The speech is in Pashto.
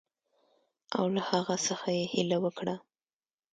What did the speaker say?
او له هغه څخه یې هیله وکړه.